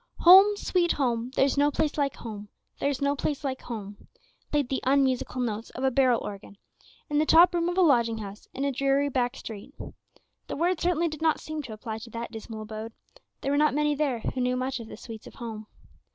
"Home, sweet home, there's no place like home, there's no place like home," played the unmusical notes of a barrel organ in the top room of a lodging house in a dreary back street. The words certainly did not seem to apply to that dismal abode; there were not many there who knew much of the sweets of home.